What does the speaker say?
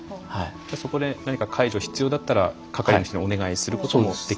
そこで何か介助必要だったら係の人にお願いすることもできますか？